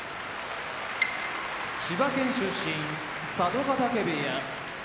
千葉県出身佐渡ヶ嶽部屋